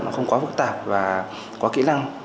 nó không quá phức tạp và quá kỹ năng